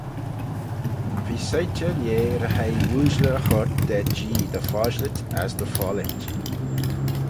V'eh soit er lheh ry-hoi ooashley y choyrt da Jee dy foshlit as dy follit.